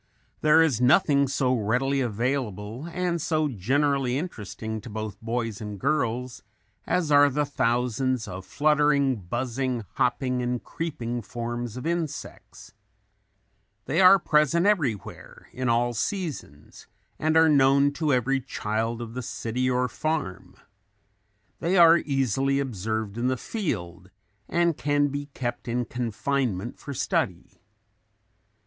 There is nothing so readily available and so generally interesting to both boys and girls as are the thousands of fluttering, buzzing, hopping and creeping forms of insects. They are present everywhere, in all seasons and are known to every child of the city or farm. They are easily observed in the field and can be kept in confinement for study.